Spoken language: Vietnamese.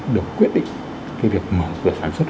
được quyết định cái việc mở cửa sản xuất